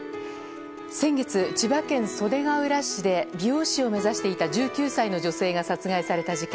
先月、千葉県袖ケ浦市で美容師を目指していた１９歳の女性が殺害された事件。